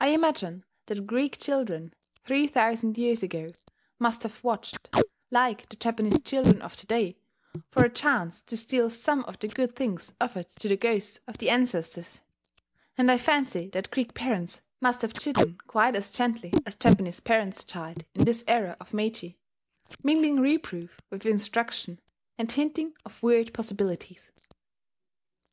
I imagine that Greek children, three thousand years ago, must have watched, like the Japanese children of to day, for a chance to steal some of the good things offered to the ghosts of the ancestors; and I fancy that Greek parents must have chidden quite as gently as Japanese parents chide in this era of Meiji, mingling reproof with instruction, and hinting of weird possibilities.